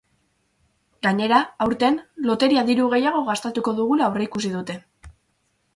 Gainera, aurten, loterian diru gehiago gastatuko dugula aurrikusi dute.